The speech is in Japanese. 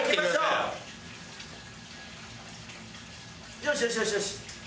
よしよしよしよし！